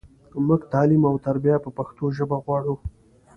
مونږ تعلیم او تربیه په پښتو ژبه غواړو.